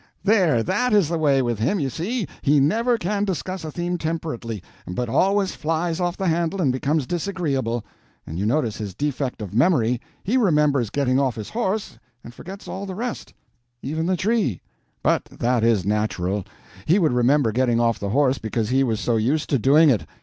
"There, that is the way with him, you see; he never can discuss a theme temperately, but always flies off the handle and becomes disagreeable. And you notice his defect of memory. He remembers getting off his horse, but forgets all the rest, even the tree. But that is natural; he would remember getting off the horse because he was so used to doing it.